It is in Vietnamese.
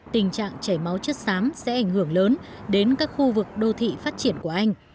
tình trạng chảy máu chất xám sẽ ảnh hưởng lớn đến các khu vực đô thị phát triển của anh